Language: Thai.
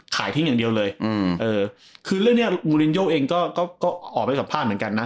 ขายทิ้งอย่างเดียวเลยอืมเออคือเรื่องเนี้ยมูลินโยเองก็ออกไปสัมภาษณ์เหมือนกันนะ